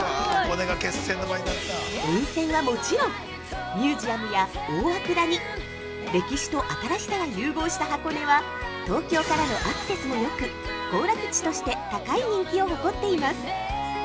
◆温泉はもちろんミュージアムや大涌谷歴史と新しさが融合した箱根は東京からのアクセスもよく行楽地として高い人気を誇っています。